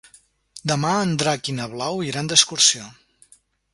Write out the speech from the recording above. Demà en Drac i na Blau iran d'excursió.